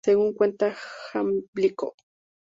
Según cuenta Jámblico,